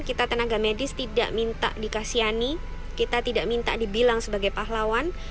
kita tenaga medis tidak minta dikasihani kita tidak minta dibilang sebagai pahlawan